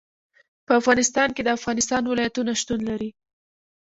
په افغانستان کې د افغانستان ولايتونه شتون لري.